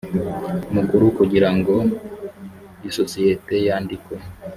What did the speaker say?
mukuru kugira ngo isosiyete yandikwe